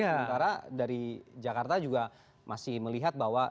karena dari jakarta juga masih melihat bahwa